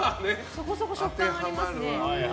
そこそこ食感ありますね。